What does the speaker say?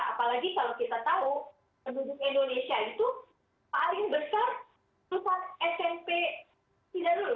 apalagi kalau kita tahu penduduk indonesia itu paling besar susah smp tidak dulu